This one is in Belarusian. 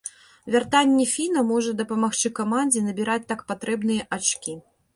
Вяртанне фіна можа дапамагчы камандзе набіраць так патрэбныя ачкі.